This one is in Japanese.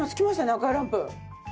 赤いランプ。